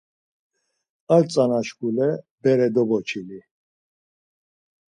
Ar tzanaşkule bere doboçili.